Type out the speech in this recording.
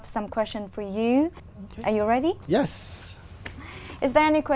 có ai nói cho anh